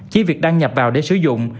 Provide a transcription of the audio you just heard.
chỉ việc đăng nhập vào để sử dụng